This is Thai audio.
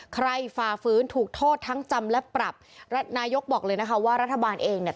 ฝ่าฟื้นถูกโทษทั้งจำและปรับนายกบอกเลยนะคะว่ารัฐบาลเองเนี่ย